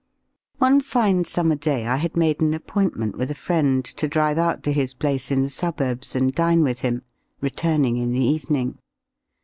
One fine summer day I had made an appointment with a friend to drive out to his place in the suburbs and dine with him, returning in the evening.